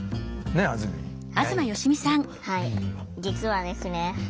はい実はですね